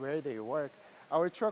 bergantung pada tempat mereka bekerja